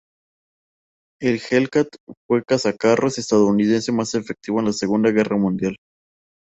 El Hellcat fue el cazacarros estadounidense más efectivo de la Segunda Guerra Mundial.